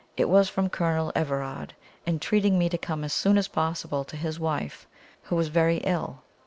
It was from Colonel Everard, entreating me to come as soon as possible to his wife, who was very ill.